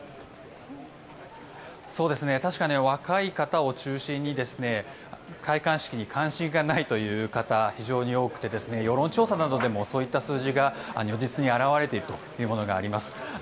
確かに若い方を中心に戴冠式に関心がないという方非常に多くて世論調査などでもそういった数字が如実に表れているというものがあります。